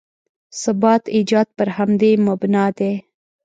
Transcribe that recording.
ثبات ایجاد پر همدې مبنا دی.